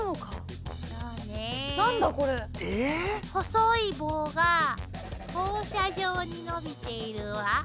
細い棒が放射状に伸びているわ。